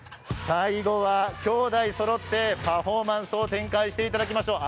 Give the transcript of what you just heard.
最後は兄弟そろってパフォーマンスを展開していただきましょう。